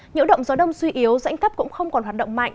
những động gió đông suy yếu dãnh thấp cũng không còn hoạt động mạnh